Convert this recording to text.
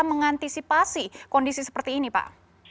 mengantisipasi kondisi seperti ini pak